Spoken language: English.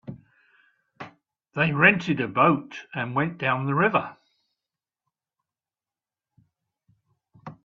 They rented a boat and went down the river.